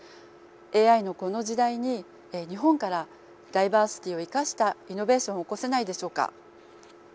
ＡＩのこの時代に日本からダイバーシティを生かしたイノベーションを起こせないでしょうか？